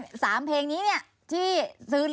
กอกลอกลงทอง